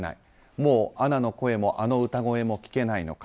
もうアナの声もあの歌声も聞けないのか。